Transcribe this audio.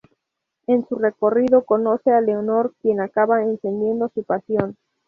En su recorrido, conoce a Leonor, quien acaba encendiendo su pasión.